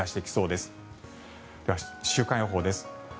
では、週間予報です。